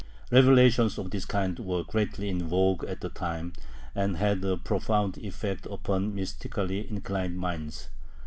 Revelations of this kind were greatly in vogue at the time, and had a profound effect upon mystically inclined minds.